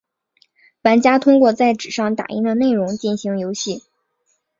玩家通过在纸上打印的内容进行游戏。